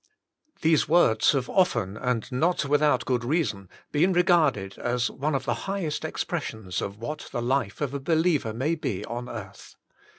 These words have often, and not without good reason, been regarded as one of the highest ex pressions of what the life of a believer may be on earth.